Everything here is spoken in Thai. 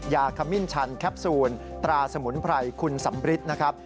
ยาขมิ้นชันแคปซูลตราสมุนไพรคุณสำริทนะครับ